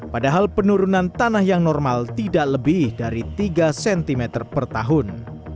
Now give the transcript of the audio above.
padahal penurunan tanah yang normal tidak lebih dari tiga cm per tahun